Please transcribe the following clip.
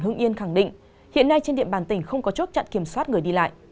hưng yên khẳng định hiện nay trên địa bàn tỉnh không có chốt chặn kiểm soát người đi lại